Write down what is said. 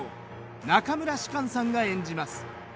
中村芝翫さんが演じます。